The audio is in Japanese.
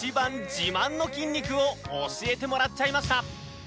自慢の筋肉を教えてもらっちゃいました